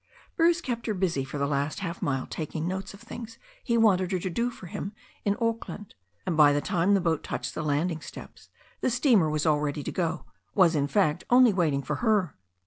Bruce kept her busy for the last half mile taking notes of things he wanted her to do for him in Auckland, and by the time the boat touched the landing steps the steamer was all ready to go, was, in fact, only waiting for her.